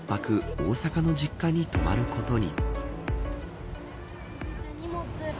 大阪の実家に泊まることに。